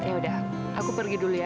yaudah aku pergi dulu ya